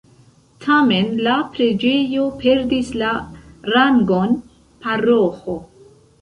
Tamen la preĝejo perdis la rangon paroĥo.